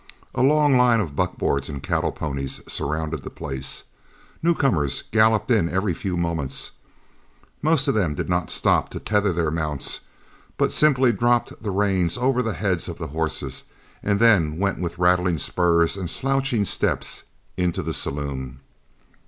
A long line of buckboards and cattle ponies surrounded the place. Newcomers gallopped in every few moments. Most of them did not stop to tether their mounts, but simply dropped the reins over the heads of the horses and then went with rattling spurs and slouching steps into the saloon.